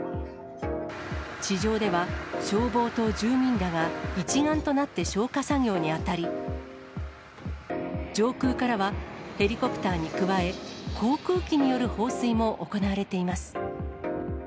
地上では消防と住民らが、一丸となって消火作業に当たり、上空からはヘリコプターに加え、航空機による放水も行われています。